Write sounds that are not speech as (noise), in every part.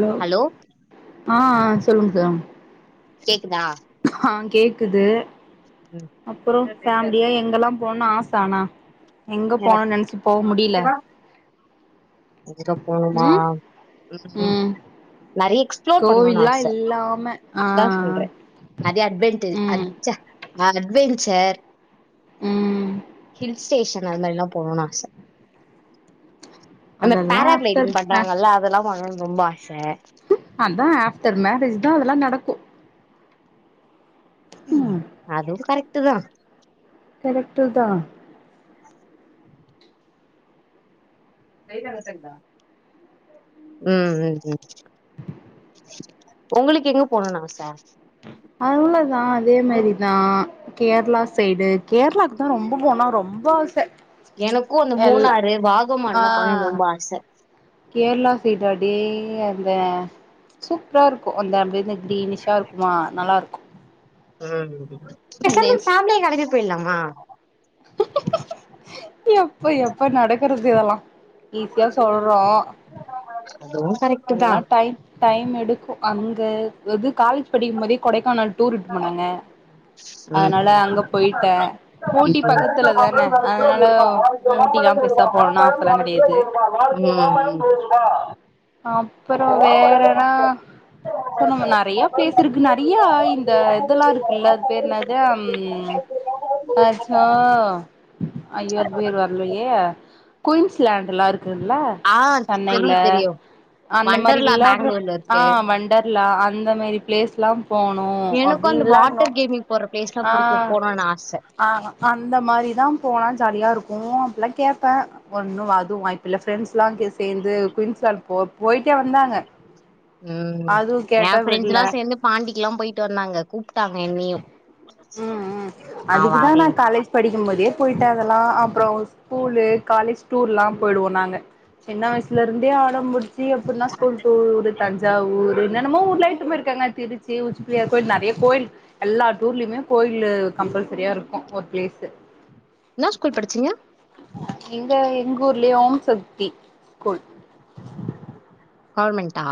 Low hello ஆ ஆ சொல்லுங்க சகோ கேக்குதா ஆ கேக்குது ம். அப்றோ எனக்கு ஃபேமிலியா எங்கெல்லா போன் ஆச தானா எங்க போனுன் நென்ச்சி போவ முடியில எங்க போனுமா ம் நெறைய எக்ஸ்ப்ளோர் பண்ணுன் கோவில்லா ஆச இல்லாம ஆ அதா சொல்ற நெறய அட்வென்ட்டு அட் ம் ச அட்வெஞ்சர் ம் ஹில் ஸ்டேஷன் நா அது மாரிலா போனுன் ஆச அந்த அதெல்லா பேரா ஆஃப்டர் க்ளைடிங் ஆ பண்றாங்கல்ல அதெல்லா பண்ணணுன் ரொம்ப ஆச அதா ஆஃப்டர் மேரேஜ் தா அதெல்லா நடக்கு ம் அதுவு கரெக்ட்டு தா கரெக்ட்டு தா ம் ம் உங்களுக்கு எங்க போனுன் ஆச அவ்ளோதா அதே மாரிதா கேரளா சைடு கேரளாக்கு தா ரொம்ப போனு ரொம் ரொம்ப ஆச எனக்கு அந்த எல்லா மூணாறு வாகமான்லா போணுன் ஆ ரொம்ப ஆச கேரளா சைடா டி எங்க அந்த சூப்ரா இருக்கு அந்த அப்டியே அந்த க்ரீனிஷா இருக்குமா நல்லா இருக்கு பேசாம ஃபேம்லியா கெளம்பி போய்லாமா எப்ப எப்ப நடக்கறது இதெல்லா ஈஸியா சொல்றோ அதுவு கரெக்ட்டு தா அதெல்லா டைம் டைம் எடுக்கு அங்க எது காலேஜ் படிக்கு போதே கொடைக்கானல் டூர் இட்னு போனாங்க ம் அதனால ம் அங்க போயிட்ட ஊட்டி ம் பக்கத்துல தான அதனால ஊட்டி ஆமா ம் அப்பறோ வேறனா சொ நம்ம நறைய ப்ளேஸ் இருக்கு நறையா இந்த இதெல்லா இருக்குல்ல அது பேர் என்னது ம் அச்சோ ஐயோ அது பேர் வரலையே குயின்ஸ்லாண்டுலா இருக் க்குல்ல ஆ சென்னையில தெரியு தெரியு அந்த மாரி வண்டர்லா விளாட்ற பேங்களூர்ல ஆ இருக்கு வண்டர்லா அந்த மாரி பிளேஸ்லாம் போனு எனக்கு அப்டி அந்த விளாட்னு வாட்டர் கேமிங் போற பிளேஸ்லா ஆ புடிக்கு போணுனு ஆச ஆஹ அந்த மாரிதான் போனா ஜாலியா இருக்கூ எல்லாங் கேட்ட ஒன்னு அதும் வாய்ப்பில்ல ஃப்ரெண்ட்ஸ்லா கெஸ் சேந்து குயின்ஸ்லாண்ட் போ போயிட்டே வந்தாங்க ம் அதுவு கேட்டா ஏன் ப்ரெண்ட்ஸ் விடல எல்லா சேந்து பாண்டிக்குல்லாம் போயிட்டு வந்தாங்க கூப்ட்டாங்க என்னயு (inaudible) ம் அதுக்குதா நான் காலேஜ் ப நிம்மதியா போயிட்டா அதெல்லா அப்றோ ஸ்கூலு காலேஜ் டூர் லாம் போயிடுவோ நாங்க சின்ன வயசுலருந்தே அடம்புடி தி எப்புன்னா ஸ்கூல் டூரு தஞ்சாவூரு என்னன்னமோ ஊர்லா இட்டுன் போய்ருக்காங்க திருச்சி உச்சி புள்ளையார் கோயில் நறைய கோயில் எல்லா டூர்லயுமே கோயிலு கம்பல் சரியா இருக்கூ ஒரு பிளேஸு என்னா ஸ்கூல் படிச்சீங்க இங்க எங் ஊர்லயே ஓம்சக்தி ஸ்கூல் கவுர்மெண்ட்டா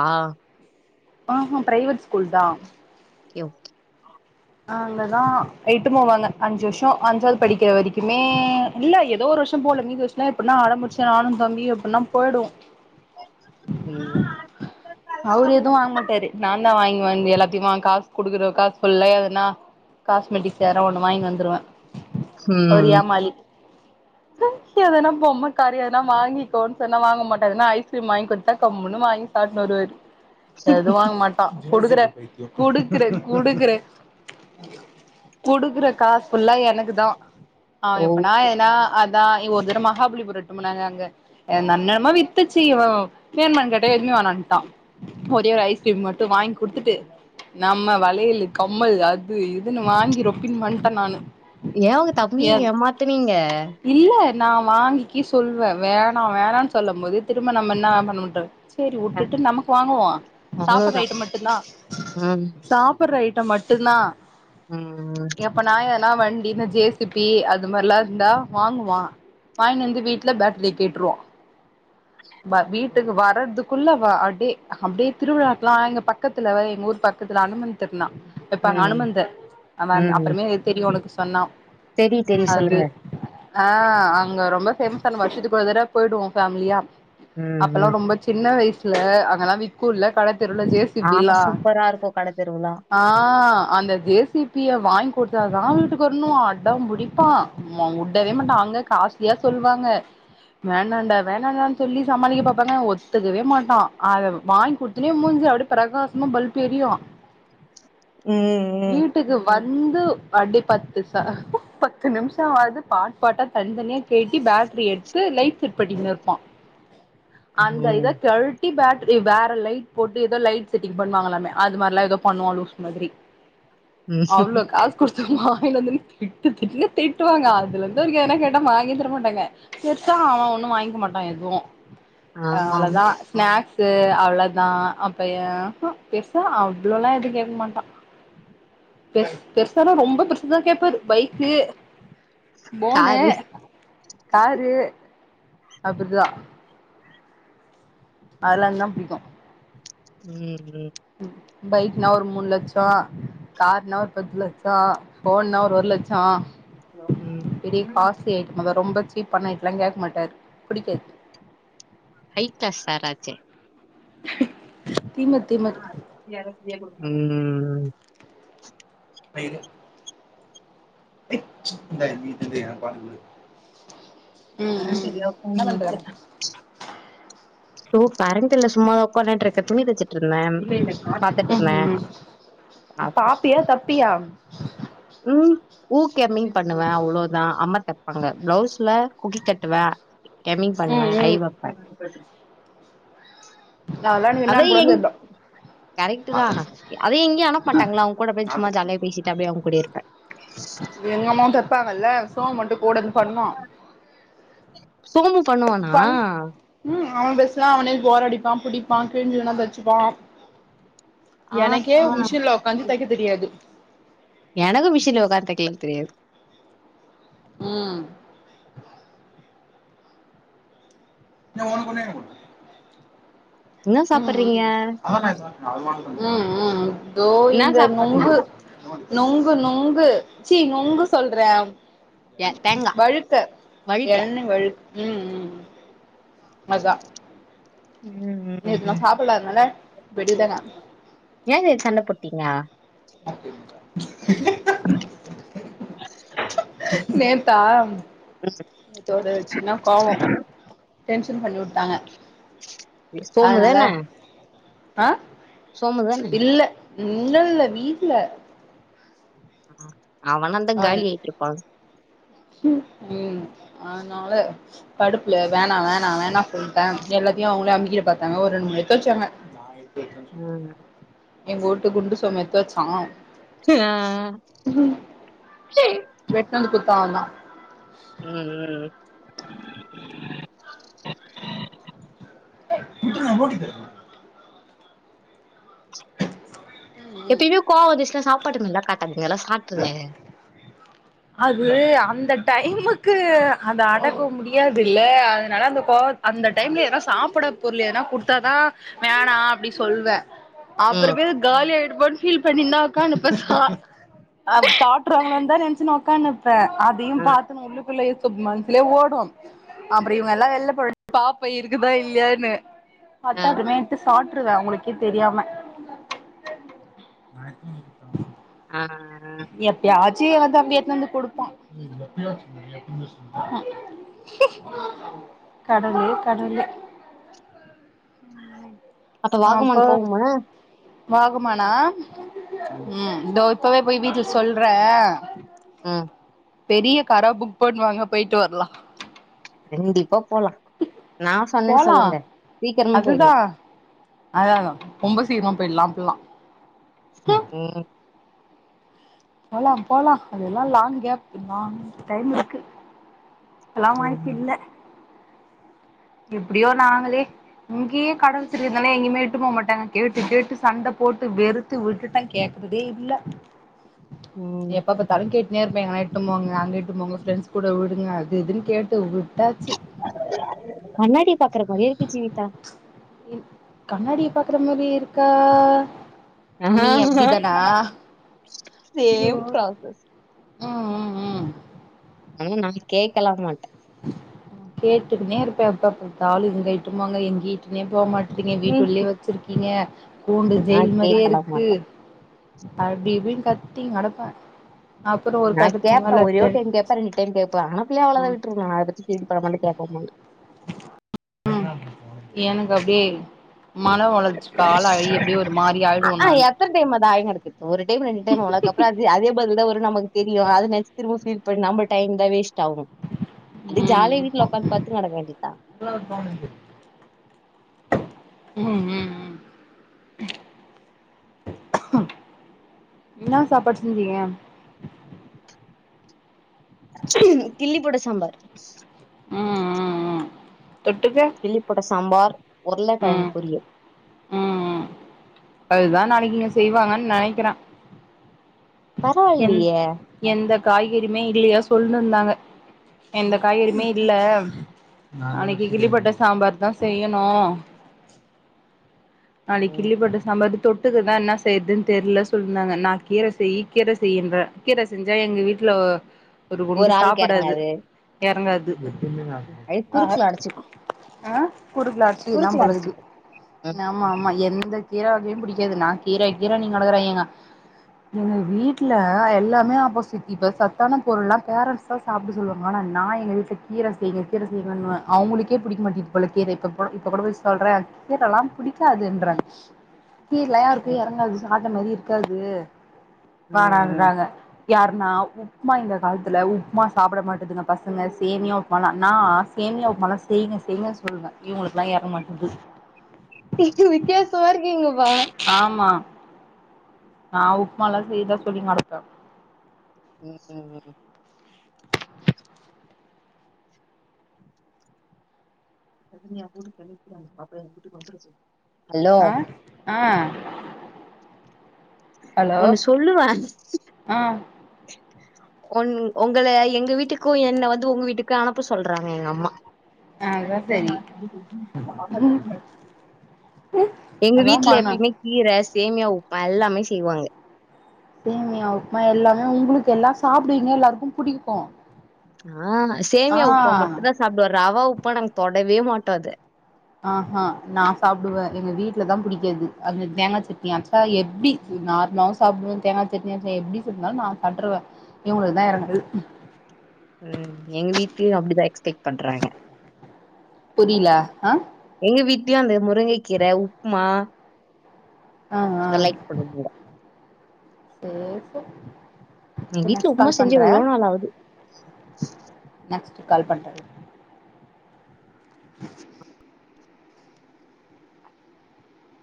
ஆஹா பிரைவேட் ஸ்கூல் தா யொவ் அங்கதா இட்டுன் போவாங்க அஞ்சு வருஷோ அஞ்சாவ்து படிக்கிற வரைக்குமே இல்ல எதோ ஒரு வர்ஷம் போல மீதி வர்ஷனா எப்ன்னா அடம் பிடிச்சா நானு தம்பியு எப்பின்னா போய்டுவோ அவரு எதுவு வாங்க மாட்டாரு நான் தான் வாங்கி வாங்கி எல்லாத்துயுமே வாங் காசு குடுக்குற காசு ஃபுல்லா எதனா காஸ்மெட்டிக்ஸ் வேற ஒண்ணு வாங்கின் வந்துருவ அவரு ம் ஏமாளி ம் எதனா பொம்மக்காரு எதுனா வாங்கிக்கோன் சொன்னா வாங்க மாட்டாரு ஆனா ஐஸ்கிரீம் வாங்கி கொடுத்தா கம்முன்னு வாங்கி சாப்ட்டுனு வருவாரு எது வாங்க மாட்டா கொடுக்குற குடுக்குற குடுக்குற குடுக்குற காசு ஃபுல்லா எனக்கு தா அவன் ஓ எப்பனா ஏதனா அந் தா இ ஒரு தடவ மகாபலிபுரம் இட்டுன் போனாங்க அங்க அ ந என்னெனமோ வித்துச்சி இவன் வேண்மான்னு கேட்டா எதுமே வேணான்ட்டான் ஒரே ஒரு ஐஸ்கிரீம் மட்டு வாய்ங் குடுத்துட்டு நம்ம வளையலு கம்மல் அது இதுன்னு வாங்கி ரொப்பின் வந்ட்ட நானு ஏன் உங்க தம்பிய எ ஏமாத்துனீங்க இல்ல நா வாங்கிக்கி சொல்வ வேணா வேணான் சொல்லம் போது திரும்ப நம்ம என்னா பண்ண முட்ற செரி உட்டுட்டு நமக்கு வாங்குவோ சாப்பட்ர அவ்ளோதா ஐட்டம் மட்டு தான் ம் சாப்பு சாப்பட்ற ஐட்டம் மட்டுந்தா ம் எப்பனா எதுனா வண்டி ஜே சி பி அது மார்லாருந்தா வாங்குவா வாய்னு வந்து வீட்ல பேட்ரிய கேட்டுருவா வ வீட்டுக்கு வர்றதுக்குள்ள வா அடி அப்டியே திருவிழாக்லா எங்க பக்கத்துல எங்க ஊர் பக் பக்கத்துல அனுமந்த் திருநா வெப்பாங்க ம் அனுமந்து அவ அப்பறமே தெரியு ஒனக்கு சொன்னா தெரியு தெரியு அது சொல்லுங்க ஆ அங்க ரொம்ப ஸ்பெண்ட் பண்ணுவோ வருஷத்துக்கு ஒரு தடவ போயிடுவோ ஃபேமிலியா ம் அப்பல்லா ம் ரொம்ப சின்ன வயசுல அங்கெல்லா விக்குல கட தெருவுல ஜே சி ஆ பி ல்லா சூப்பரா இருக்கு கட தெருவுலா ஆ அந்த ஜே சி பிய வாங்கி குடுத்தாதா வீட்டுக்கு வரணுவா அடம் புடிப்பா மொ உடவே மாட்டா அங்க காஸ்ட்லியா சொல்வாங்க வேணாண்டா வேணாண்டா சொல்லி சமாளிக்க பாப்பாங்க ஆனா ஒத்துக்கவே மாட்டா அத வாங்க் குடுத்தவுன்னே மூஞ்சு அப்டியே பிரகாசமா பல்பு எரியு ம் ம் ந்து அடி பத்து சா பத்து நிமிஷவாது பாட் பாட்டா தனி தனியா கெழ்ட்டி பேட்ரி எட்த்து லைட் செட் பட்னிக்னிருப்பா அந்த இத ம் கெழ்ட்டி பே ட்ரி வேற லைட் போட்டு எதோ லைட் செட்டிங் பண்வாங்கலாமே அதுமார்லா எதோ பண்ணுவா லூஸு மாதிரி ம் அவ்ளோ காசு கு த்து வாகினு வந்துன் திட்டு திட்டுனு திட்டுவாங்க அதுலந்து அவுரு எதுனா கேட்டா வாங்கியே தர மாட்டாங்க செர் சா அ அவ ஒண்ணு வாய்ங்க்க மாட்டா எதுவு அ ஆமா ஆமா அவ்ளதா ஸ்நாக்ஸ் து அவ்ளதா அப்ப ஏ ஹு பெருசா அவ்ளோல்லா எது கேக்க மாட்டா பெர்ஸ் பெர்சானா ரொம்ப பெருசுதா கேப்பாரு பைக்கு போனு காரு காரு அப்ருதா அதல்லாந்தா புடிக்கு ம் ம் பைக்னா ஒரு மூன் லச்சோ கார்னா ஒரு பத்து லச்சோ போன்னா ஒரு ஒரு லச்சோ ம் பெரிய ம் காஸ்ட்லி ஐட்டமாதா ரொம்ப சீப்பான‌‌ ஐட்லா கேக் மாட்டாரு பிடிக்காது ஹை கிளாஸ் சார் ஆச்சே திமிர் திமிர் ம் ம் வயது ஹே சி இந்த நீ எதுன்னு போயிடு என் பாட்டு குடு ம் ம் (unintelligible) சோ கரண்ட் இல்ல சும்மாதா உக்கனுட்ருக்கே துணி தெச்சிட்ருந்தே ம் பாத்துட்ருந்தே ம் பாப்பியா தப்பியா ம் ஊக் எம்மிங் பண்ணுவே அவ்ளோதா அம்மா தெப்பாங்க பிளவுஸ்ல குக்கி கட்டுவே எம்மிங் ம் பண்ணுவே ஐ வெப்பே னு அதெல்லா எனுக்கு என்னானு கூட தெர்ல கரெக்டு தா அதே எங்யு அனுப் மாட்டங்கள்ல அவுங்க கூட‌ அப்டே சும்மா ஜாலியா பேசிட்டு அப்டியே அவுங்க கூடயேருப்பே எங்கம்மாவு தெப்பாங்கள்ல சோம் வந்ட்டு கூடந்து பண்ணுவா சோமு பண்ணுவானா ம் அவ டெஸ்லா அவனே ஒரடிப்பா புடிப்பா கிழ்ஞ்சுதுனா தெச்சுப்பா ஆ எனக்கே ஆ மிஷின்ல ஒக்காந்து தெக்க தெரியாது எனகு மிஷின்ல உக்காந் தெக்கலாந் தெரியாது ம் ஓனுகொன்னு என என்ன சாப்புட்றீங்க ம் ம் ம் ம் தோ என்ன இங்க சாப்புட்றீ நொங்கு நொங்கு நுங்கு சீ நொங்கு சொல்றே ஏ தேங்கா வழ்க்க வழுக்க எள்னி வழ் ம் ம் ம் அதா ம் ம் நேத்து நா ம் சாப்பல்ல அதுனல வெட்டி குத்தாங்க ஏ நேத்து சண்ட போட்டீங்க நே த்தா ம் நேத்தொரு சின்ன கோவோ டென்ஷன் பண்ணி உட்டாங்க இ சோமுதான அ சோமுதான இல்லல்ல வீட்ல அ அ ம் அ னால கடுப்புல வேணா வேணா வேணா சொல்ட்டே யெல்லாத்தையு அவங்களே அமிக்கிட பாத்தாங்க ஒரு ரெண்டு ம் (unintelligible) எங்க வூட்டு குண்டு சோம எத்து வச்சா ஆ ஆ எத்துட்னு வந்து குத்தா அவந்தா ம் ம் விட்டுங்க போட்டிட்டு (unintelligible) காட்டாது அது அந்த டைமுக்கு அத அடக்க முடியாதுல்ல அதனால அந்த கோவ அந்த டைம்ல எனா சாப்ட பொருள்யெதுன்னா குடுத்தாதா வேணா அப்டி சொல்வே அப்புற ம் பே காலியாடுப்போனு பீல் பண்ணினுந்தா ஒக்காந்துனுப்பேன் சா அ சாப்ட்ருவாங்களோந்தா நெனைச்சுனு உக்காந்தினுப்பே அதயு ஆ பாத்துன்னு உள்ளுக்குள்ளயே சும இதுல ஓடும் அப்றம் இவங்கல்லா வெளில போயிட் பாப்பே இருக்குதா இல்லையான்னு ஆ பாத்தா அப்றமே எட்த்து சாப்ட்ருவே உங்களுக்கு தெரியாம ஆ எப்பயாது (unintelligible) வந்து அப்டிய எட்னுத்தந்து குடுப்பா கடவ்ளே கடவ்ளே அப்ப வாகமன் போவ்ம வாகமானா ம் இதோ இப்பவே போயி வீட்ல சொல்றே ம் பெரிய காரா புக் பண்ணுவாங்க பேயிட்டு வரலா கண்டிப்பா போலா நா சொன்னேன்னு போலா சொல்லுங்க சீக்கிரமும் போய்ட்லா அதுதா அதா அதா ரொம்ப சீக்ரமா போய்ட்லா அப்டில்லா ம் போலா போலா அதெல்லா லாங் கேப் லாங் டைமுருக்கு (unintelligible) எல்லா வாய்ப்பு ம், இல்ல எப்டியோ நாங்களே இங்கேயே கட வச்ச ருந்தாலே எங்கயுமே யிட்டு போக மாட்டாங்க கேட்டு கேட்டு சண்ட போட்டு வெறுத்து விட்டுட்டெ கேக்கறதேயில்ல ம், ம். எப்பப்பாத்தாலு கேட்னேருப்பே எங்க யிட்டு போங்க அங்க யிட்டு போங்க ஃப்ரெண்ட்ஸ் கூட விடுங்க அது யுதுன்னு கேட்டு விட்டாச்சு கண்ணாடி பாக்கிற மாரியேயிருக்கு ஜீவிதா முறி யிருக்கா நீ அப்டி தானா சேம் ப்ராசஸ் ம் ம் ம் ஆனா நா கேக்கலா மாட்டே கேட்டுக்குன்னே இருப்பே எப்ப பாத்தாலு யிங்க யிட்டுட்டு போங்க எங்கீட்டுனே போக மாட் ங்க ம், வீட்டுள்ளயே வச்சிருக்கீங்க கூண்டு ஜெயில் நான் கேட்கலாம் மாரியேருக்கு மாட்டேன் அப்டிப்பிடின்னு கத்தினு கெடப்பே அப்றோ ஒரு நான் கட்டத்துக்கு கேப்பேன் மேல ஒரே ஒரு டென் டைம் கேப்பென் ரெண்டு டைம் கேக்குவெ அனுப்பலயா அவ்ளத ம் விடு உட்றுவ அத பத்தி பீல் பண்ண மாட்டே கேக்கவும் மாட்டே ம் எனக்கு அப்டியே மன வொளச்சிக்கு ஆளாகி அப்டியே ஒரு மாரி ஆயிடுவே ஆனா நானு எத்தன டைம் அது ஆயினு இருக்கு ஒரு டைம் ரெண்டு டைம் போனதுக்கப்ற அது அதே பதில்தாவரு நமக்கு தெரியு அத நெனச்சிதிரும்ப பீல் பண்னி நம்ம டைம் தான் வேஸ்ட் செட் ஆகு அது ம் ஜாலிய வீட்ல உக்காந்து படுத்துனுகெடக்கவேண்டிதா ம் ம் ம் என்னா சாப்பாடு செஞ்சீங்க (inaudible) கில்லி போட்ட சாம்பார் ம் ம் ம் தொட்டுக்க கிள்ளி போட்ட சாம்பார் உருளக்கெழங்கு ம் பொரியல் ம் ம் அதுதா நாளைக்கிங்க செய்வாங்கன் நெனைக்கிறே எந் பரவால்லியே எந்த காய்கறிமே இல்லையா சொல்னுருந்தாங்க எந்த காய்கறிமே இல்ல அன்னைக்கு கிள்ளி போட்ட சாம்பார்தா செய்யணு நாளைக்கு ம் கிள்ளி போட்ட சாம்பாரு தொட்டுக்கதா என்னா செய்றதுன் தெர்ல சொல்ட்ருந்தாங்க நா கீர செய் கீர செய்யுன்ற கீர செஞ்சா எங்க வீட் ல ஒரு குண்டு சாப்படாது எறங்காது உ வை குறுக்குல அடச்சுக்கு ஆ குறுக்குல அடைச்சிக்குந்தா குறுக்குல போலக்குது அடச்சுக்கு ம் ஆமா ஆமா எந்த கீர வகையு புடிக்காது நா கீர கீர இங்கடக்குற எங்க வீட்ல எல்லாமே ஆப்போசிட் இப்ப சத்தான பொருள்லா பேரண்ட்ஸ்தா சாப்ட சொல்வாங்க ஆனா நா எங்க வீட்ல கீர செய்ங்க கீர செய்ங்கன்வே அவுங்ளுக்கே பிடிக்க மாட்டிது போல கீர இப்பப்போ இப்ப கூட போய் சொல்ற கீரலாம் பிடிக்காதுன்றாங் கீரலா யாருக்கு எறங்காது சாப்ட மாரி இருக்காது ம் வேணான்றாங்க யாருனா உப்மா இந்த காலத்துல உப்மா சாப்ட மாட்டேதுங்க பசங்க சேமியா உப்மாலா நா ஆச சேமியா உப்மாலா செய்ங்க செய்ங்க சொல்வ இவுங்ளுக்லா எறங்க மாட்டேங்து நீங்க வித்யாசமா இருக்கிங்கப்பா ஆமா நா உப்மாலா செய்தா சொல்லிங்கடப்பே ம் ம் (inaudible) ஹலோ அ ஆ ஹலோ ஒண்ணு சொல்லுவ ஆ ஒன் ஒங்கள எங்க வீட்டுக்கு என்ன வந்து உங்க வீட்டுக்கு அனுப்ப சொல்றாங்க எங்க அம்மா (inaudible) அதா சரி எங்க அதா வீட்ல பண்ணே எப்பய்மே கீர சேமியா உப்மா எல்லாமே செய்வாங்க சேமியா உப்மா எல்லாமே உங்ளுக்கெல்லா சாப்டுவிங்க எல்லாருக்கு புடிக்கு ஆ ஆ சேமியா உப்மா மட்டுந்தா சாப்டுவ ரவா உப்மா நாங்க தொடவே மாட்டோ அது ஆ ஹா நா சாப்டுவ எங்க வீட்லதா புடிக்காது அது தேங்கா சட்னி அரைச்சா எப்டி நார்மலாவு சாப்டுவ தேங்கா சட்னி அரைச்சா எப்டி செஞ்சாலு நா சாட்ருவ இவுங்ளுக்குதா எறங்காது ம் எங்க வீட்லயு அப்டிதா எக்ஸ்பெக்ட் பண்றாங்க புரில ஆ எங்க வீட்லயு அந்த முருங்கை கீர உப்மா ஆ தா லைக் பண்ணும்ங்க சோ சோ எங்க சர் வீட்ல நெக்ஸ்ட் உப்புமா கால் செஞ்சு பண்ற எவ்ளோ நாள் ஆவுது நெக்ஸ் ட் கால் பண்ற இருங்க